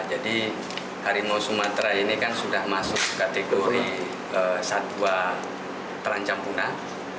jadi hari mau sumatera ini kan sudah masuk kategori satwa terancam punah